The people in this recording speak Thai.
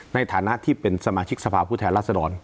ในฐานะที่เป็นสมาชิกสภาพผู้แทนรัศดร